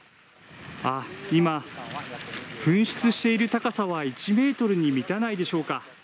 ああ、今、噴出している高さは１メートルに満たないでしょうか。